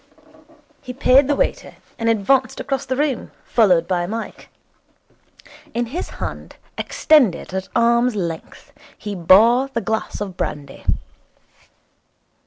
He paid the waiter, and advanced across the room, followed by Mike. In his hand, extended at arm's length, he bore the glass of brandy.